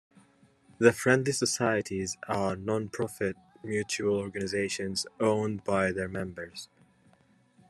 The friendly societies are non-profit mutual organisations owned by their members.